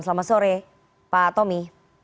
selamat sore pak tomi